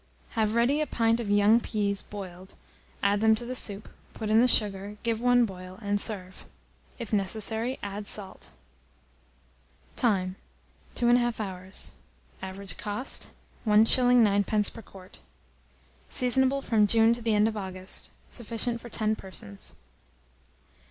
Have ready a pint of young peas boiled; add them to the soup, put in the sugar, give one boil, and serve. If necessary, add salt. Time. 2 1/2 hours. Average cost, 1s. 9d. per quart. Seasonable from June to the end of August. Sufficient for 10 persons.